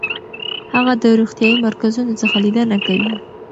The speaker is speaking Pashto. هغه د روغتیايي مرکزونو څخه لیدنه کوي.